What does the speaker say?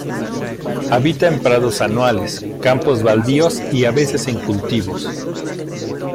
Habita en prados anuales, campos baldíos y a veces en cultivos.